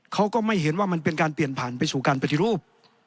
เขาก็ไม่เห็นว่ามันเป็นการเปลี่ยนผ่านไปสู่การปฏิรูป